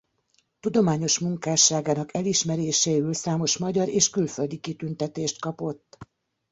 Tudományos munkásságának elismeréséül számos magyar és külföldi kitüntetést kapott.